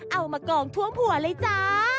เอามากองท่วมหัวเลยจ้า